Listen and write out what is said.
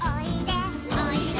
「おいで」